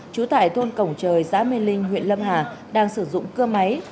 chú tại thôn cổng trời xã mê linh huyện lâm hà đang sử dụng cơ máy